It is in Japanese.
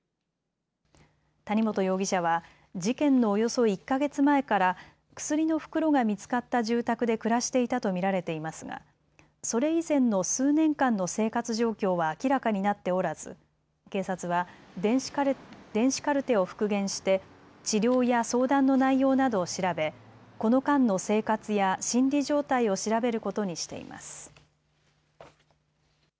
谷本容疑者は事件のおよそ１か月前から薬の袋が見つかった住宅で暮らしていたと見られていますがそれ以前の数年間の生活状況は明らかになっておらず警察は電子カルテを復元して治療や相談の内容などを調べこの間の生活や心理状態を調べることにしています。